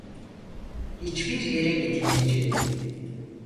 Hiçbir yere gitmeyeceğim.